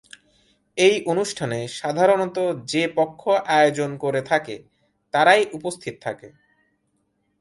এই অনুষ্ঠানে সাধারণত যে পক্ষ আয়োজন করে থাকে তারাই উপস্থিত থাকে।